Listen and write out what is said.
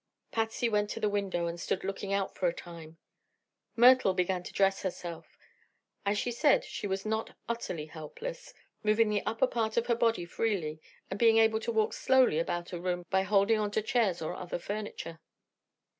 Patsy went to the window and stood looking out for a time. Myrtle began to dress herself. As she said, she was not utterly helpless, moving the upper part of her body freely and being able to walk slowly about a room by holding on to chairs or other furniture.